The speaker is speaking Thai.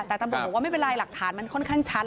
แต่ตำรวจบอกว่าไม่เป็นไรหลักฐานมันค่อนข้างชัด